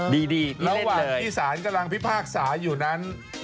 พี่สารกำลังพิพากษาอยู่นั้น